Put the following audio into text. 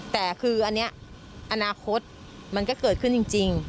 แต่คืออันนี้อนาคตมันก็เกิดขึ้นจริง